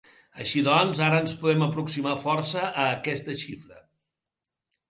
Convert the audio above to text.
Així doncs, ara ens podem aproximar força a aquesta xifra.